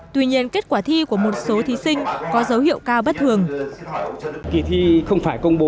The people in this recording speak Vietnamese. tuy nhiên kết quả thi của một số thí sinh có dấu hiệu cao bất thường